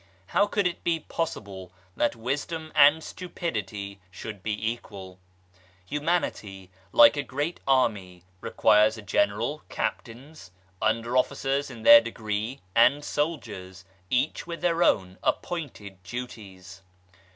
How could it be possible that wisdom and stupidity should be equal ? Humanity, like a great army, requires a General, Captains, under officers in their degree, and soldiers, each with their own appointed duties.